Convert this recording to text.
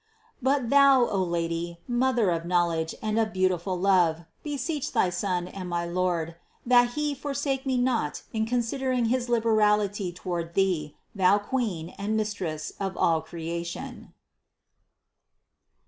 But Thou, O Lady, Mother of knowledge and of beautiful love, beseech thy Son and my Lord, that He forsake me not in considera tion of His liberality toward Thee, Thou Queen and Mistress of all creation."